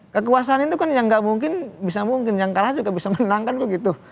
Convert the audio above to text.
kekuasaan itu kan yang gak mungkin bisa mungkin yang kalah juga bisa menangkan gitu